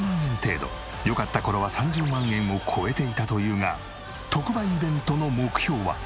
良かった頃は３０万円を超えていたというが特売イベントの目標は？